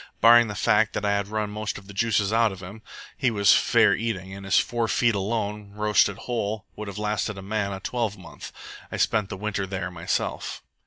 Barring the fact that I had run most of the juices out of him, he was fair eating, and his four feet, alone, roasted whole, would have lasted a man a twelvemonth. I spent the winter there myself."